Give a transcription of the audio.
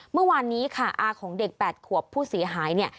เมื่อวานนี้ค่ะอาของเด็ก๘ขวบผู้เสียหายเนี่ย